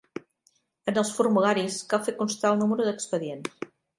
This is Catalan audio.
En els formularis cal fer constar el número d'expedient.